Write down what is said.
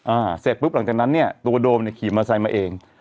อ่าเสร็จปุ๊บหลังจากนั้นเนี่ยตัวโดมเนี่ยขี่มอไซค์มาเอง